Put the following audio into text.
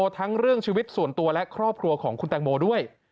ทั้งเรื่องชีวิตส่วนตัวและครอบครัวของคุณแตงโมด้วย